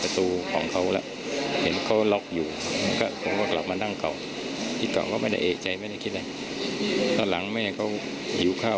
ตอนหลังแม่เขาหิวข้าว